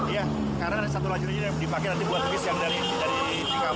iya karena ada satu lajur ini yang dipakai nanti buat bis yang dari cipali